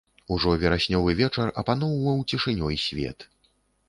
Ужо вераснёвы вечар апаноўваў цішынёй свет.